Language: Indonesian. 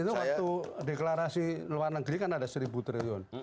itu waktu deklarasi luar negeri kan ada seribu triliun